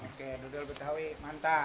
oke dodol betawi mantap